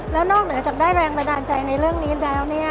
แล้วนอกเหนือจากได้แรงบันดาลใจในเรื่องนี้แล้ว